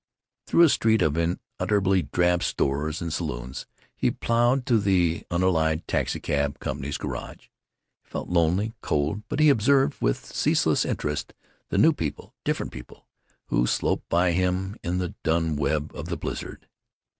Through a street of unutterably drab stores and saloons he plowed to the Unallied Taxicab Company's garage. He felt lonely, cold, but he observed with ceaseless interest the new people, different people, who sloped by him in the dun web of the blizzard.